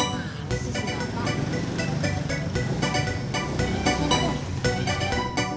masih seneng apa